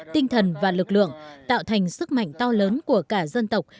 tinh thần và lực lượng tạo thành sức mạnh to lớn của cả dân tộc